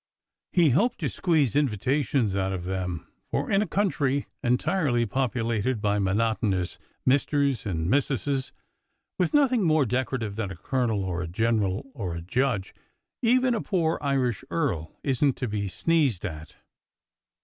He hoped to squeeze in vitations out of them; for in a country entirely populated by monotonous Misters and Mrs es, with nothing more decorative than a colonel or a general or a judge, even a poor Irish earl isn t to be sneezed at.